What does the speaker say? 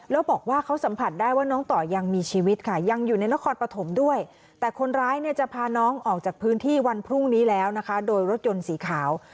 แล้วบอกว่าเขาสัมผัสได้ว่าน้องต่อยังมีชีวิตค่ะยังอยู่ในนครปฐมด้วยแต่คนร้ายเนี่ยจะพาน้องออกจากพื้นที่วันพรุ่งนี้แล้วนะคะโดยรถยนต์สีขาว